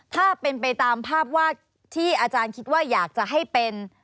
ถ้าเป็นไปตามภาพวาดที่อาจารย์คิดว่าอยากจะให้เป็น